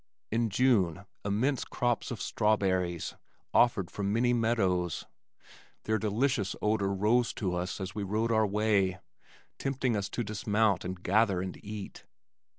In June immense crops of strawberries offered from many meadows. Their delicious odor rose to us as we rode our way, tempting us to dismount and gather and eat.